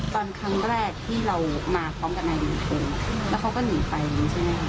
ตอนครั้งแรกที่เรามาพร้อมกับนายหนูโทรแล้วเขาก็หนีไปใช่ไหมคะ